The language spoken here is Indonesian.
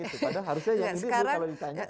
padahal harusnya yang ini kalau ditanya